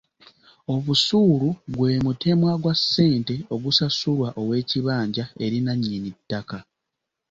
Obusuulu gwe mutemwa gwa ssente ogusasulwa ow'ekibanja eri nannyini ttaka.